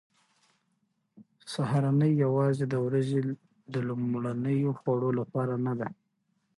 سهارنۍ یوازې د ورځې د لومړنیو خوړو لپاره نه ده.